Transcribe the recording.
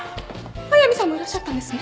速見さんもいらっしゃったんですね